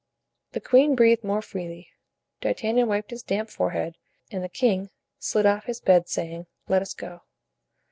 The queen breathed more freely. D'Artagnan wiped his damp forehead and the king slid off his bed, saying, "Let us go."